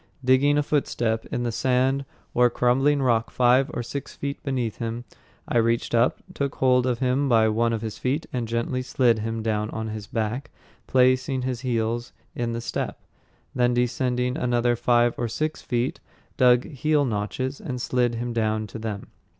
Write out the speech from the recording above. Digging a footstep in the sand or crumbling rock five or six feet beneath him, I reached up, took hold of him by one of his feet, and gently slid him down on his back, placed his heels in the step, then descended another five or six feet, dug heel notches, and slid him down to them.